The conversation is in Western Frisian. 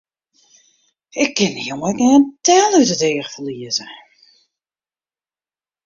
Ik kin dy jonge ek gjin tel út it each ferlieze!